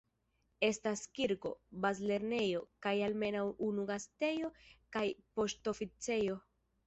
Estas kirko, bazlernejo, kaj almenaŭ unu gastejo kaj poŝtoficejo.